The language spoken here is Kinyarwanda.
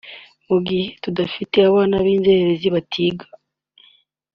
mu gihe tudafite abana b’inzererezi batiga